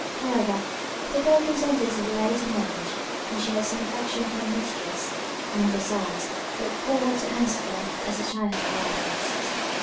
However, the girl consented to delay the marriage, as she had some affection for her mistress; and, besides, looked forward to Ann's death as a time of harvest.